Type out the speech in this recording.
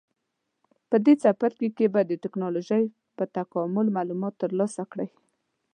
په دې څپرکي کې به د ټېکنالوجۍ په تکامل معلومات ترلاسه کړئ.